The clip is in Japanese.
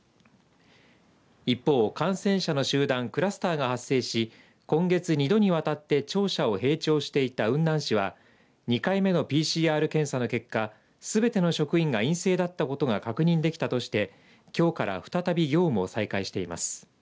一方、感染者の集団クラスターが発生し今月２度にわたって庁舎を閉庁していた雲南市は２回目のＰＣＲ検査の結果すべての職員が陰性だったことが確認できたとしてきょうから再び業務を再開しています。